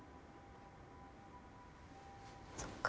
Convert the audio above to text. そっか。